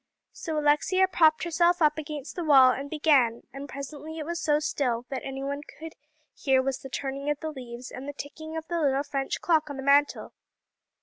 So Alexia propped herself up against the wall, and began, and presently it was so still that all any one could hear was the turning of the leaves and the ticking of the little French clock on the mantel.